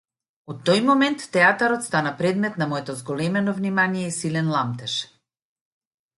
Од тој момент театарот стана предмет на моето зголемено внимание и силен ламтеж.